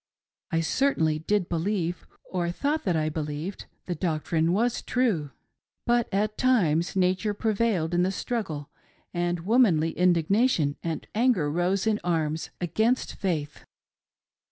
I certainly did believe, or thought that I believed, the doctrine was true. But at times Nature prevailed in the struggle, and womanly indignation and anger rose in arms against Faith.